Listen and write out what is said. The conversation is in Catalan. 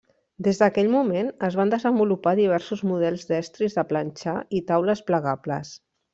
Des d'aquell moment es van desenvolupar diversos models d'estris de planxar i taules plegables.